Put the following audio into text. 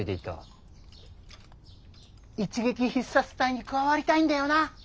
一撃必殺隊に加わりたいんだよな？